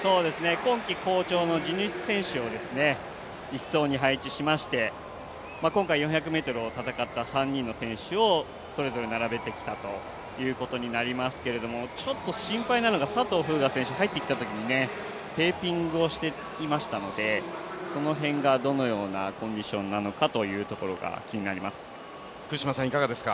今季好調の地主選手を１走に配置しまして今回４００ｍを戦った３人の選手をそれぞれ並べてきたということなんですがちょっと心配なのが佐藤風雅選手入ってきたときにテーピングをしていましたのでその辺がどのようなコンディションなのかというところが気になります。